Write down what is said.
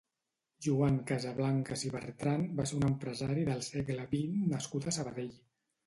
Joan Casablancas i Bertran va ser un empresari del segle vint nascut a Sabadell.